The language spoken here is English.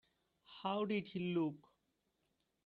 How did he look?